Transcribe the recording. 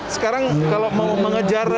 sekarang kalau mau mengejar